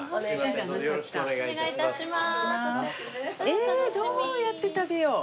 えどうやって食べよう。